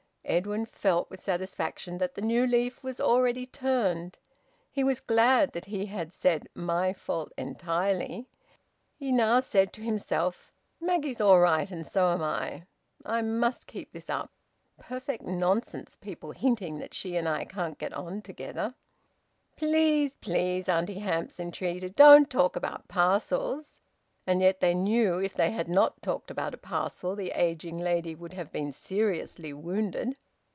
(Edwin felt with satisfaction that the new leaf was already turned. He was glad that he had said `My fault entirely.' He now said to himself: "Maggie's all right, and so am I. I must keep this up. Perfect nonsense, people hinting that she and I can't get on together!") "Please, please!" Auntie Hamps entreated. "Don't talk about parcels!" And yet they knew that if they had not talked about a parcel the ageing lady would have been seriously wounded.